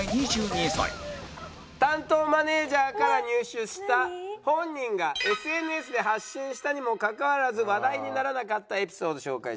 担当マネージャーから入手した本人がＳＮＳで発信したにもかかわらず話題にならなかったエピソード紹介します。